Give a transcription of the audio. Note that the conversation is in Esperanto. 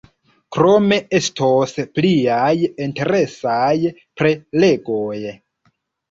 Krome estos pliaj interesaj prelegoj.